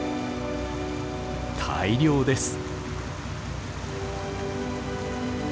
大漁です。